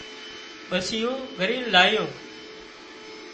ٻسُون گھرِي لايون